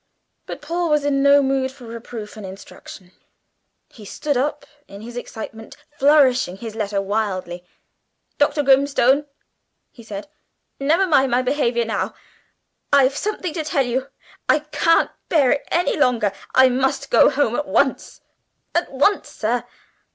But Paul was in no mood for reproof and instruction. He stood up in his excitement, flourishing his letter wildly. "Dr. Grimstone!" he said; "never mind my behaviour now. I've something to tell you. I can't bear it any longer. I must go home at once at once, sir!"